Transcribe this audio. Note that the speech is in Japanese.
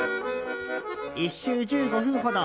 １周１５分ほど。